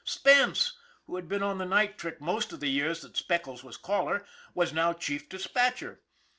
Spence, who had been on the night trick most of the years that Speckles was caller, was now chief dispatcher.